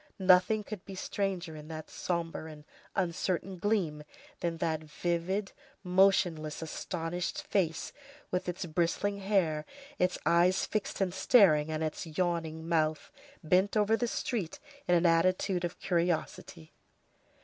Nothing could be stranger, in that sombre and uncertain gleam, than that livid, motionless, astonished face, with its bristling hair, its eyes fixed and staring, and its yawning mouth, bent over the street in an attitude of curiosity.